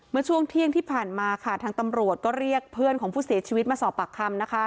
เมื่อช่วงเที่ยงที่ผ่านมาค่ะทางตำรวจก็เรียกเพื่อนของผู้เสียชีวิตมาสอบปากคำนะคะ